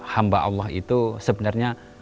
hamba allah itu sebenarnya